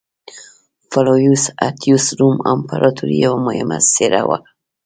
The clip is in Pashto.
فلاویوس اتیوس روم امپراتورۍ یوه مهمه څېره وه